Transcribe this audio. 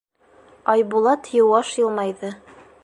Айбулат йыуаш йылмайҙы.